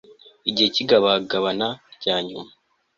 igihe cy igabagabana rya nyuma